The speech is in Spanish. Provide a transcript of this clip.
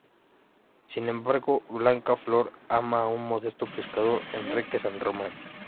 Sin embargo, Blanca Flor ama a un modesto pescador, Enrique San Román.